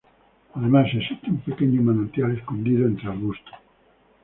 Además existe un pequeño manantial escondido entre arbustos.